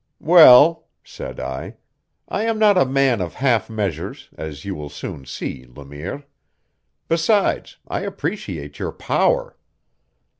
"Well," said I, "I am not a man of half measures, as you will soon see, Le Mire. Besides, I appreciate your power.